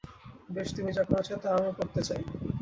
বেশ, তুমি যা করেছ তা আমি করতে চাই।